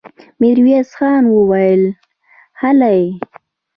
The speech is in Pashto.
ميرويس خان وويل: هلئ!